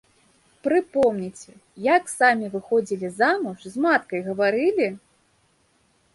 Прыпомніце, як самі выходзілі замуж, з маткай гаварылі?